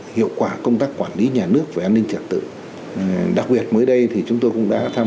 hiệu quả công tác quản lý nhà nước về an ninh trật tự đặc biệt mới đây thì chúng tôi cũng đã tham